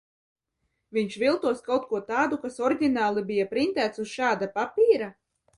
Viņš viltos kaut ko tādu, kas oriģināli bija printēts uz šāda papīra?